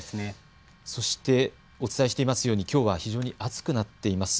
そしてお伝えしていますようにきょうは非常に暑くなっています。